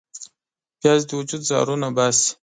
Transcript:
پیاز د وجود زهرونه وباسي